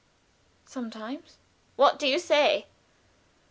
"Sometimes." "What do you say?"